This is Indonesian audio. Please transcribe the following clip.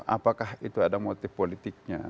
apakah itu ada motif politiknya